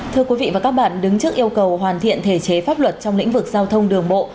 thưa quý vị và các bạn đứng trước yêu cầu hoàn thiện thể chế pháp luật trong lĩnh vực giao thông đường bộ